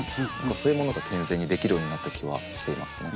そういうものが健全にできるようになった気はしていますね。